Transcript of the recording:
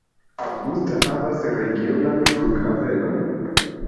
Augusta havas regionan flughavenon.